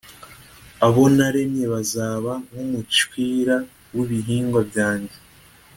abo naremye bazaba nk’umucwira w’ibihingwa byanjye,